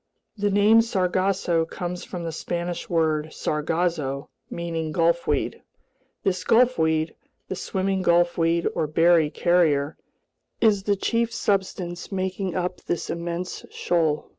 The name Sargasso comes from the Spanish word "sargazo," meaning gulfweed. This gulfweed, the swimming gulfweed or berry carrier, is the chief substance making up this immense shoal.